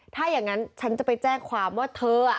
ถ้าอย่างนั้นฉันจะไปแจ้งความว่าเธอ